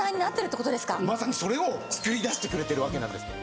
まさにそれを作り出してくれてるわけなんです。